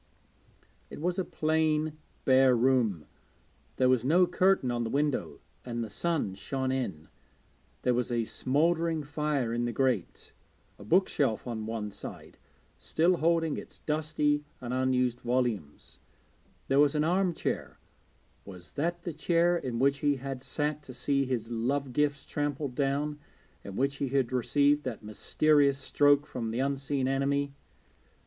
It was a plain bare room; there was no curtain on the window and the sun shone in. There was a smouldering fire in the grate, a bookshelf on one side, still holding its dusty and unused volumes; there was an arm chair was that the chair in which he had sat to see his love gifts trampled down, in which he had received that mysterious stroke from the unseen enemy?